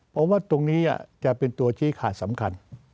ผมว่าตรงนี้จะเป็นตัวชี้ขาดสำคัญ